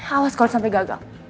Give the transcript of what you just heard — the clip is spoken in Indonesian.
awas kalau sampai gagal